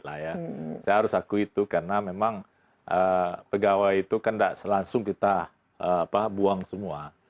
saya harus akui itu karena memang pegawai itu kan tidak selangsung kita buang semua